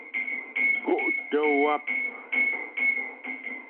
Gó' tə́ wáp.